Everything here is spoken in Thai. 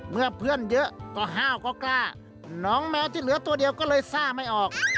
เมื่อเพื่อนเยอะก็ห้าวก็กล้าน้องแมวที่เหลือตัวเดียวก็เลยซ่าไม่ออก